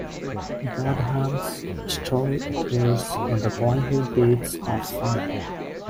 Bodhmall's story appears in "The Boyhood Deeds of Fionn".